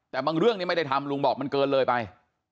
แต่บางเรื่องนี้ไม่ได้ทำลุงบอกมันเกินเลยไป